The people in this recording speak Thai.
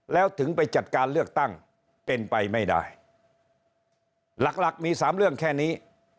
แล้วถึงไปจัดการเลือกตั้งเป็นไปไม่ได้หลักหลักมีสามเรื่องแค่นี้